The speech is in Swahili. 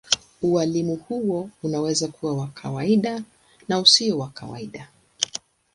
Ualimu huo unaweza kuwa wa kawaida na usio wa kawaida.